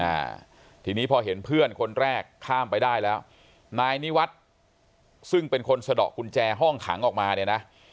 อ่าทีนี้พอเห็นเพื่อนคนแรกข้ามไปได้แล้วนายนิวัฒน์ซึ่งเป็นคนสะดอกกุญแจห้องขังออกมาเนี่ยนะ